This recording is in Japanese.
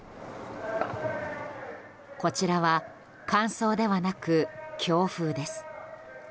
こちらは乾燥ではなく強風です。